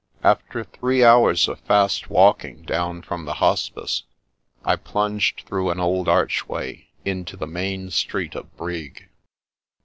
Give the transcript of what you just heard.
After three hours of fast walking down from the Hospice, I plunged through an old archway into the main street of Brig.